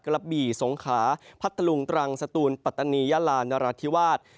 กระบี่สงขาพัทธลุงตรังสตูนปัตตานียาลานราธิวาส